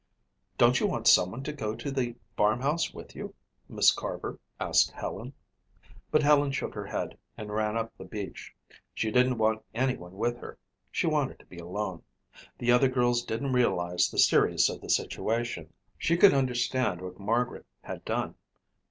"Don't you want someone to go to the farmhouse with you?" Miss Carver asked Helen. But Helen shook her head and ran up the beach. She didn't want anyone with her; she wanted to be alone. The other girls didn't realize the seriousness of the situation. She could understand what Margaret had done.